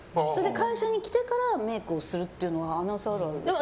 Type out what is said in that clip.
会社に来てからメイクをするのはアナウンサーあるあるですよね。